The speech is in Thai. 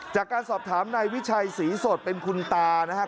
จากการสอบถามนายวิชัยศรีสดเป็นคุณตานะครับ